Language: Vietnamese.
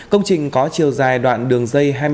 công trình có chiều dài đoạn đường dây